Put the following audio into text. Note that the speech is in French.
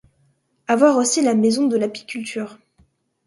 À voir aussi la maison de l'apiculture.